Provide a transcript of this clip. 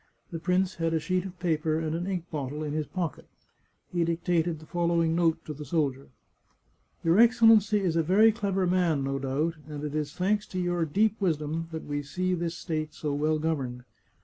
The prince had a sheet of paper and an ink bottle in his pocket. He dictated the following note to the soldier :" Your Excellency is a very clever man, no doubt, and it is thanks to your deep wisdom that we see this state so well governed.